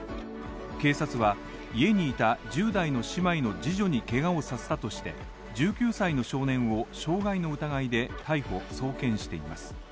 警察は、家にいた１０代の姉妹の次女にけがをさせたとして、１９歳の少年を傷害の疑いで逮捕送検しています。